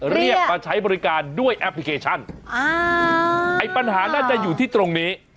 เรียกมาใช้บริการด้วยแอปพลิเคชันไอ้ปัญหาน่าจะอยู่ที่ตรงนี้